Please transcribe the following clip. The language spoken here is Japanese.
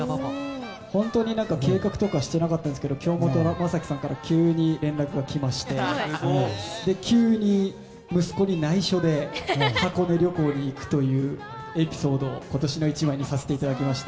本当に計画とかしていなかったんですけど京本政樹さんから急に連絡が来まして急に息子に内緒で箱根旅行に行くというエピソードを今年の１枚にさせていただきました。